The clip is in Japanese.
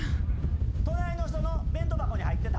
隣の人の弁当箱に入ってた？